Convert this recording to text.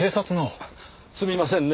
すみませんね。